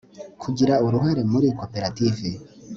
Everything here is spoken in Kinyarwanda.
kugira uruhare muri koperative